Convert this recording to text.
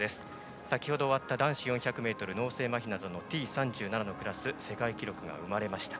先ほど終わった男子４００ｍ脳性まひなどのＴ３５のクラス世界記録が生まれました。